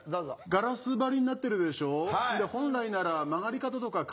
ガラス張りになってるでしょう。